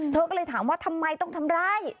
เธอก็เลยถามว่าทำไมต้องทำร้าย